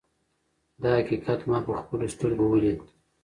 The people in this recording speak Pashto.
دا حقیقت ما په خپلو سترګو ولید.